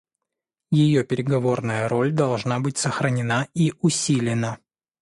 Ее переговорная роль должна быть сохранена и усилена.